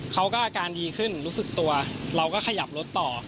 อาการดีขึ้นรู้สึกตัวเราก็ขยับรถต่อ